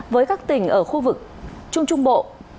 với các tỉnh ở khu vực trung trung bộ